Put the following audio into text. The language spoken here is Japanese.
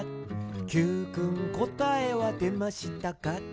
「Ｑくんこたえはでましたか？」